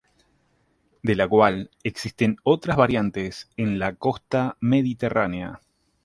De la cual, existen otras variantes en la costa mediterránea.